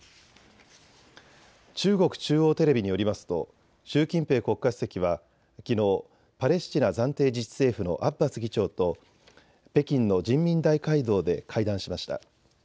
中国中央テレビによりますと習近平国家主席はきのうパレスチナ暫定自治政府のアッバス議長と北京の人民大会堂で会談しました。